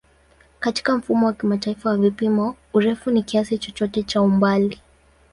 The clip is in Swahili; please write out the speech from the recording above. Katika Mfumo wa Kimataifa wa Vipimo, urefu ni kiasi chochote cha umbali.